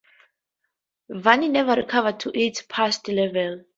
Vani never recovered to its past level.